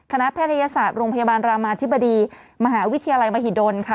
แพทยศาสตร์โรงพยาบาลรามาธิบดีมหาวิทยาลัยมหิดลค่ะ